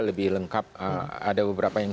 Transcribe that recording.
lebih lengkap ada beberapa yang